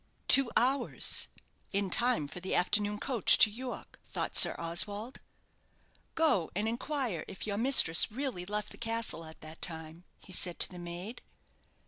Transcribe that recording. "Two hours! In time for the afternoon coach to York," thought Sir Oswald. "Go and inquire if your mistress really left the castle at that time," he said to the maid.